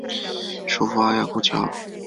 首府阿亚库乔。